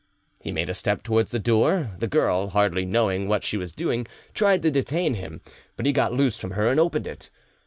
He made a step towards the door; the girl, hardly knowing what she was doing, tried to detain him; but he got loose from her and opened it.